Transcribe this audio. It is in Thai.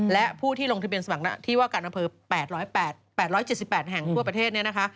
และผู้ที่ลงทะเบียสมัครหน้าที่ว่าการอำเภอ๘๗๘แห่งทั่วประเทศเนี่ยนะคะ